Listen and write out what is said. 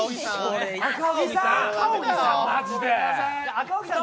赤荻さん！